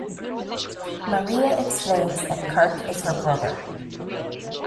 Maria explains that Kirk is her brother.